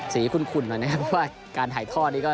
สีขุ่นครับว่าการถ่ายทอด